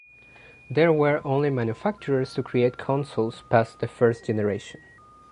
There were only manufacturers to create consoles past the first generation.